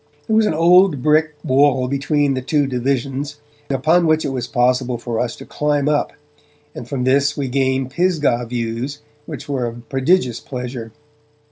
There was an old brick wall between the two divisions, upon which it was possible for us to climb up, and from this we gained Pisgah views which were a prodigious pleasure.